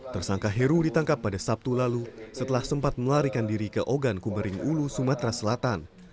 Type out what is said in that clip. tersangka heru ditangkap pada sabtu lalu setelah sempat melarikan diri ke ogan kumering ulu sumatera selatan